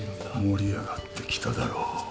盛り上がってきただろう？